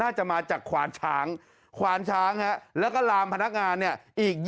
น่าจะมาจากขวานช้างขวานช้างแล้วก็ลามพนักงานเนี่ยอีก